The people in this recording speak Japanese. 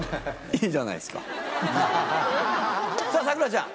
さぁ咲楽ちゃん。